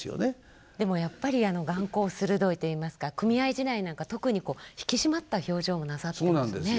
でもやっぱり眼光鋭いといいますか組合時代なんか特にこう引き締まった表情もなさってますね。